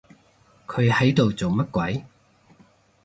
佢喺度做乜鬼？